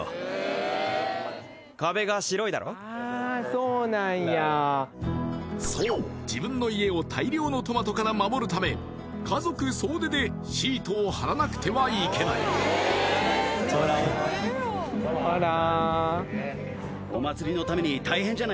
そうなんやそう自分の家を大量のトマトから守るため家族総出でシートを張らなくてはいけないオラオラ